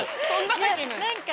いや何か。